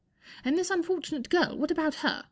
And this un¬ fortunate girl, what about her